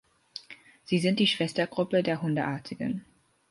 Sie sind die Schwestergruppe der Hundeartigen.